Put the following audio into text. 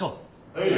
はい。